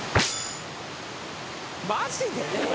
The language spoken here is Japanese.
マジで？